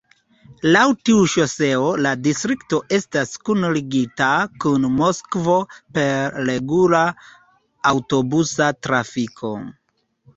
Laŭ tiu ŝoseo la distrikto estas kunligita kun Moskvo per regula aŭtobusa trafiko.